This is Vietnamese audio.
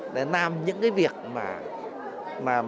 để làm những cái việc mà